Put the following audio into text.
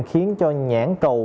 khiến cho nhãn cầu